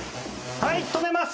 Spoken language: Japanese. はい止めます！